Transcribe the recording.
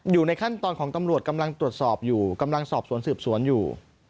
อยู่ในขั้นตอนของตำรวจกำลังตรวจสอบอยู่กำลังสอบสวนสืบสวนอยู่